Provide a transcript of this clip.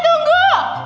tidak ada yang menunggu